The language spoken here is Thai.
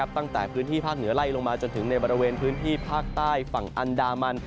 ตั้งแต่พื้นที่ภาคเหนือไล่ลงมาจนถึงในบริเวณพื้นที่ภาคใต้ฝั่งอันดามัน